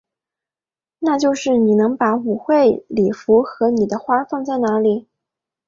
那就是你能把舞会礼服和你的花放在哪里？